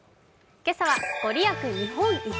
今朝は御利益日本一？